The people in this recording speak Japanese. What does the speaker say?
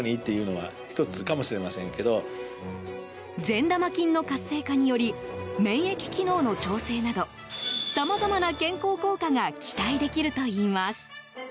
善玉菌の活性化により免疫機能の調整などさまざまな健康効果が期待できるといいます。